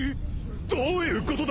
どういうことだ！？